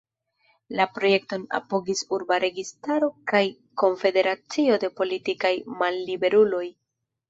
La projekton apogis urba registaro kaj konfederacio de politikaj malliberuloj.